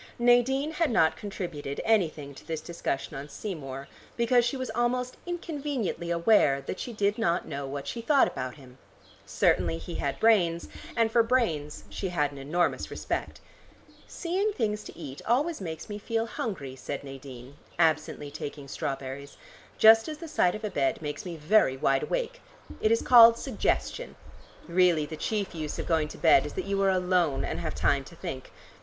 Nadine had not contributed anything to this discussion on Seymour, because she was almost inconveniently aware that she did not know what she thought about him. Certainly he had brains, and for brains she had an enormous respect. "Seeing things to eat always makes me feel hungry," said Nadine, absently taking strawberries, "just as the sight of a bed makes me very wide awake. It is called suggestion. Really the chief use of going to bed is that you are alone and have time to think."